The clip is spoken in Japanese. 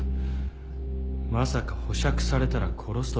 まさか保釈されたら殺すとでも？